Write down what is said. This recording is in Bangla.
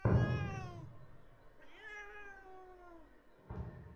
আমরা প্রকৃত যোগাযোগকে অধিক গুরুত্ব দিই এবং নিয়মিত ফেসবুক ব্যবহারকারীদের কথা শুনি।